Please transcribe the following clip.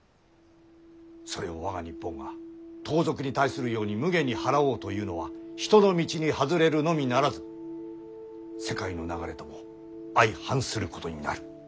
それを我が日本が盗賊に対するように無下に掃おうというのは人の道に外れるのみならず世界の流れとも相反することになる。